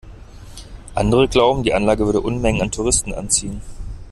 Andere glauben, die Anlage würde Unmengen an Touristen anziehen.